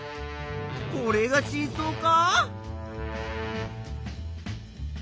これが真相か？